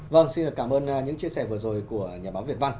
vâng xin cảm ơn những chia sẻ vừa rồi của nhà báo việt văn